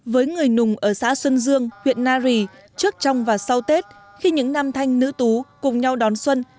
với người nùng ở xã xuân dương huyện nari trước trong và sau tết khi những nam thanh nữ tú cùng nhau đón xuân